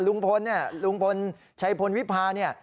ลุงพลเนี่ยลุงพลชัยพลวิพาเนี่ย